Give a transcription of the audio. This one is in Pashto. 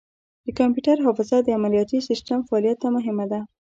د کمپیوټر حافظه د عملیاتي سیسټم فعالیت ته مهمه ده.